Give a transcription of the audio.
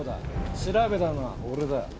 調べたのは俺だ。